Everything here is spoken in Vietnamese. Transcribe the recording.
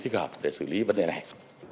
thích hợp để xử lý vấn đề này